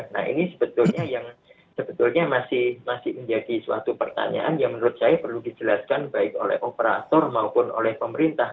nah ini sebetulnya yang sebetulnya masih menjadi suatu pertanyaan yang menurut saya perlu dijelaskan baik oleh operator maupun oleh pemerintah